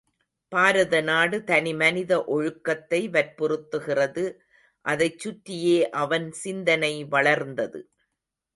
பாரத நாடு தனி மனித ஒழுக்கத்தை வற்புறுத்துகிறது அதைச் சுற்றியே அவன் சிந்தனை வளர்ந்தது.